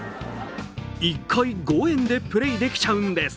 １回５円でプレーできちゃうんです。